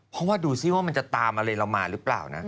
เพราะว่าดูสิว่ามันจะตามอะไรเรามาหรือเปล่านะ